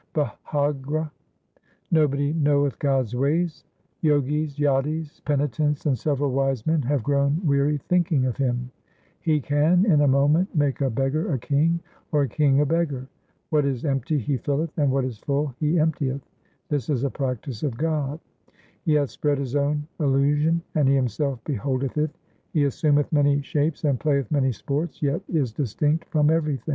BlHAGRA Nobody knoweth God's ways ; Jogis, jatis, penitents, and several wise men have grown weary thinking of Him ; He can in a moment make a beggar a king, or a king a beggar ; What is empty He filleth, and what is full He emptieth ; this is a practice of God ; He hath spread His own illusion, and He Himself behold eth it ; He assumeth many shapes and playeth many sports, yet is distinct from everything.